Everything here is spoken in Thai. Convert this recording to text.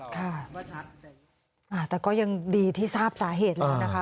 ค่ะแต่ก็ยังดีที่ทราบสาเหตุเลยนะคะ